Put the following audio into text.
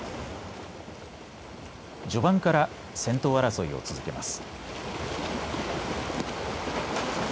序盤から先頭争いを続けます。